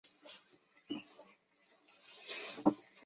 勒基乌人口变化图示